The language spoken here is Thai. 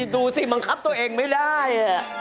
ดูสิบังคับตัวเองไม่ได้